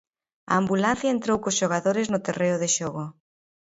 A ambulancia entrou cos xogadores no terreo de xogo.